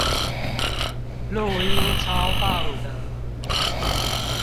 錄音超棒的